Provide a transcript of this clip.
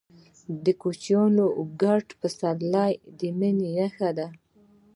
د کوچیانو کډې د پسرلي نښه ده.